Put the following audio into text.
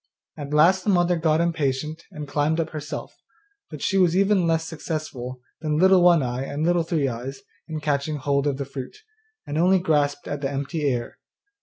At last the mother got impatient and climbed up herself, but she was even less successful than Little One eye and Little Three eyes in catching hold of the fruit, and only grasped at the empty air.